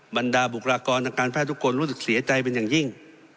บรรดาบุคลากรทางการแพทย์ทุกคนรู้สึกเสียใจเป็นอย่างยิ่ง